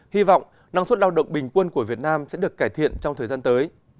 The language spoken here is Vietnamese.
hy vọng năng suất lao động bình quân của việt nam sẽ được cải thiện trong thời gian tới